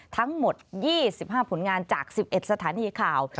ทั้งหมด๒๕ผลงานจาก๑๑สถานีข่าว